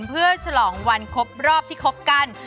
เพื่อฉลองวันครบรอบที่คบกัน